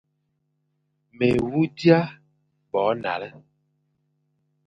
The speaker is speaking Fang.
Mé wu dia bo nale,